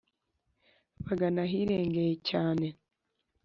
bagana ahirengeye cyane